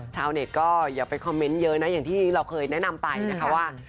ชาวเน็ตก็อย่าไปคอมเมนต์เยอะนะอย่างที่เราเคยแนะนำไปนะคะว่า